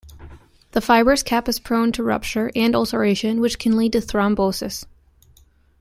The fibrous cap is prone to rupture and ulceration which can lead to thrombosis.